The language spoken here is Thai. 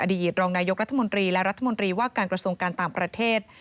ดีตรองนายกรัฐมนตรีและรัฐมนตรีว่าการกระทรวงการต่างประเทศ